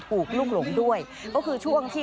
ลูกหลงด้วยก็คือช่วงที่